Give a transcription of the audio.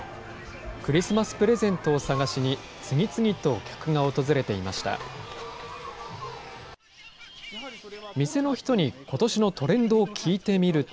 クリスマスプレゼントを探しに、次々と客が訪れていました。